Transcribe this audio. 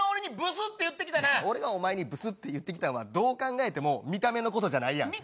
俺がお前にブスって言ってきたんはどう考えても見た目のことじゃないやん。